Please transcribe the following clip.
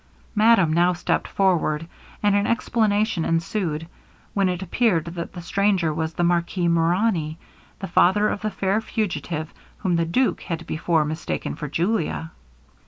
Madame now stepped forward, and an explanation ensued, when it appeared that the stranger was the Marquis Murani, the father of the fair fugitive whom the duke had before mistaken for Julia.